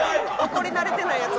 怒り慣れてないヤツ。